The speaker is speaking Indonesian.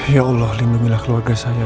ya allah lindungilah keluarga saya